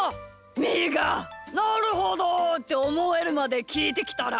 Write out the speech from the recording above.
みーが「なるほど！」っておもえるまできいてきたら？